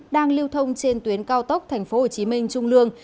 đang lưu thông trên tuyến cao tốc tp hcm trung lương